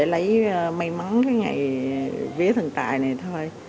lấy may mắn cái ngày vía thần tài này thôi